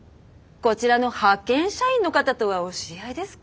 こちらの派遣社員の方とはお知り合いですか？